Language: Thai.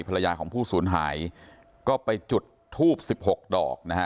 ภรรยาของผู้สูญหายก็ไปจุดทูบ๑๖ดอกนะฮะ